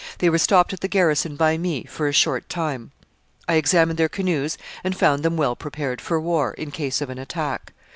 They were stopped at the garrison by me, for a short time. I examined their canoes and found them well prepared for war, in case of an attack.